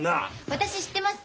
私知ってます。